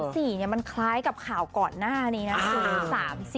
๔มันคล้ายกับข่าวก่อนหน้านี้นะ